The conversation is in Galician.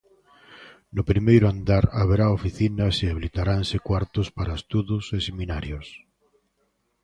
No primeiro andar haberá oficinas e habilitaranse cuartos para estudos e seminarios.